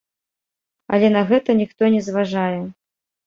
Але на гэта ніхто не зважае.